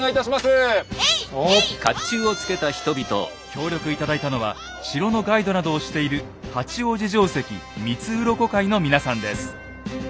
協力頂いたのは城のガイドなどをしている八王子城跡三ッ鱗会の皆さんです。